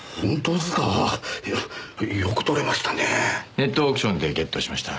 ネットオークションでゲットしました。